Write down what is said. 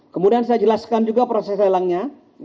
kemudian saya jelaskan juga proses lelangnya